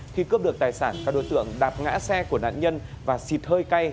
khi cướp được tài sản các đối tượng đạp ngã xe của nạn nhân và xịt hơi cay